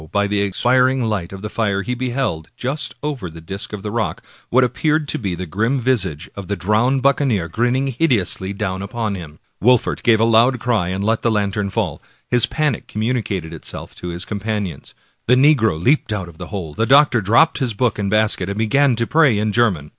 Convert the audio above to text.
by the expiring light of the fire he beheld, just over the disk of the rock, what appeared to be the grim visage of the drowned buccaneer, grinning hideously down upon him. Wolfert gave a loud cry and let fall the lantern. His panic communicated itself to his companions. The negro leaped out of the hole, the doctor dropped his book and basket, and began to pray in German.